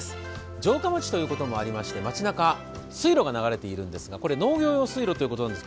城下町ということもあって、街なか、水路が流れているんですがこちら農業用水路です。